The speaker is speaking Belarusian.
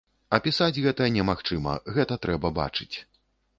Апісаць гэта немагчыма, гэта трэба бачыць.